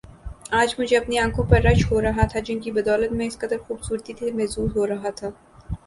آج مجھے اپنی انکھوں پر رشک ہو رہا تھا جن کی بدولت میں اس قدر خوبصورتی سے محظوظ ہو رہا تھا